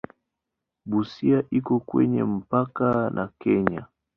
Busia iko kwenye mpaka na Kenya.